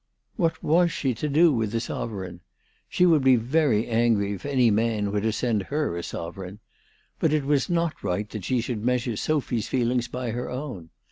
What was she to do with the sovereign ? She would be very angry if any man were to send her a sove reign ; but it was not right that she should measure Sophy's feelings by her own.